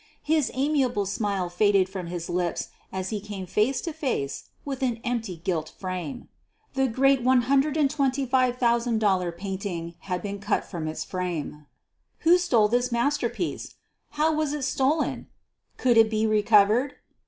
His amiable smile faded from his lips as he came face to face with an empty gilt frame. The great $125,000 painting had been cut from its frame. Who stole this masterpiece? How was it stolen T Could it be recovered!